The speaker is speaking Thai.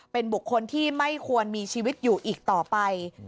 เป็นบุคคลที่ไม่ควรมีชีวิตอยู่อีกต่อไป